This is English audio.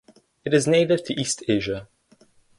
It is native to East Asia.